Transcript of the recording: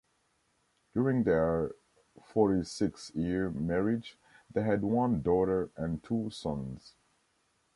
During their forty-six-year marriage, they had one daughter and two sons.